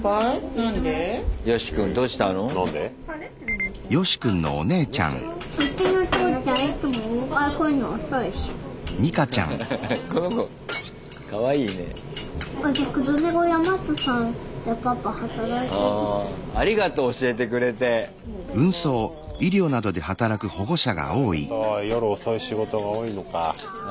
なるへそ夜遅い仕事が多いのか。